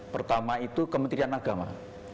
pertama itu kementerian agama